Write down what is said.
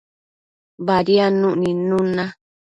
Badiadnuc nidnun na